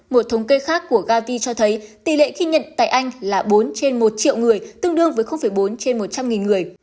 một thống kê khác của gavi cho thấy tỷ lệ khi nhận tại anh là bốn trên một triệu người tương đương với bốn trên một trăm linh người